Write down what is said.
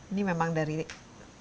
ini memang dari satu tanaman